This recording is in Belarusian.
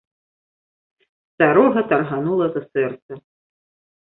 Старога тарганула за сэрца.